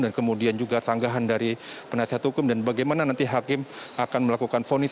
dan kemudian juga sanggahan dari penasihat hukum dan bagaimana nanti hakim akan melakukan fonis